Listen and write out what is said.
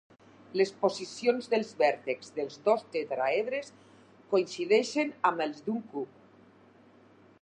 Les posicions dels vèrtexs dels dos tetràedres coincideixen amb els d'un cub.